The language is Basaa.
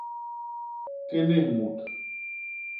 Kénés mut.